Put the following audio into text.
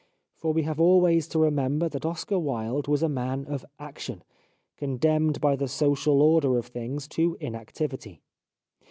For we have always to remember that Oscar Wilde was a man of action, condemned by the social order of things to inactivity.